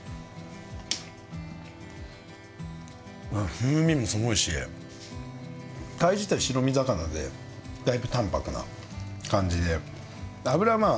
風味もすごいしタイ自体白身魚でだいぶ淡白な感じで脂はまあ